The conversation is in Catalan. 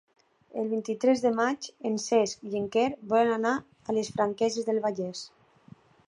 El vint-i-tres de maig en Cesc i en Quer volen anar a les Franqueses del Vallès.